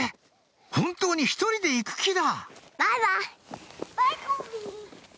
本当に１人で行く気だ